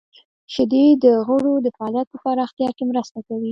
• شیدې د غړو د فعالیت په پراختیا کې مرسته کوي.